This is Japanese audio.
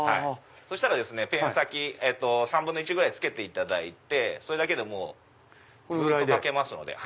そしたらペン先３分の１ぐらい付けていただいてそれだけでずっと書けますので。